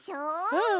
うん！